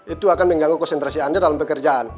itu akan mengganggu konsentrasi anda dalam pekerjaan